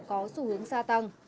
có xu hướng xa tăng